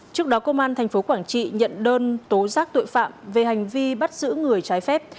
trước đó công an tp quảng trị nhận đơn tố giác tội phạm về hành vi bắt giữ người trái phép